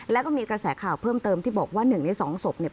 แล้วก็มีกระแสข่าวเพิ่มเติมที่บอกว่า๑ใน๒ศพเนี่ย